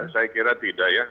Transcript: saya kira tidak ya